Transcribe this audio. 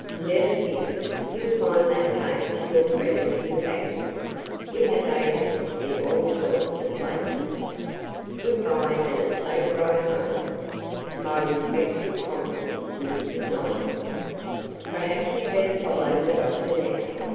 'Never fear, you'll find that paid to your credit in the bank. We have agents in all sorts of places. Good bye, and a safe ride home. My respectful compliments to Mrs. Knightley. Perhaps you'd better follow the doctor now.'